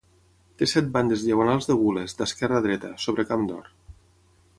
Té set bandes diagonals de gules, d'esquerra a dreta, sobre camp d'or.